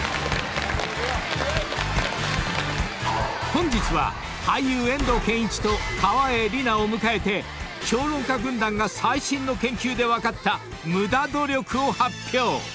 ［本日は俳優遠藤憲一と川栄李奈を迎えて評論家軍団が最新の研究で分かったムダ努力を発表］